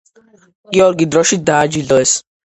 გიორგის დროშით დააჯილდოეს.